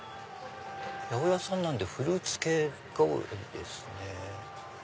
八百屋さんなんでフルーツ系が多いですね。